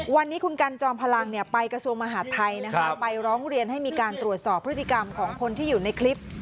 วันนี้คุณกันจอมพลังไปกระทรวงมหาดไทยไปร้องเรียนให้มีการตรวจสอบพฤติกรรมของคนที่อยู่ในคลิป